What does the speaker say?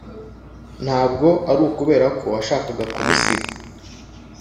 ntabwo ari ukubera ko washakaga kumusiga.